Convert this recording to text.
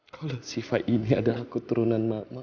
kalau sifat ini ada aku turunan mama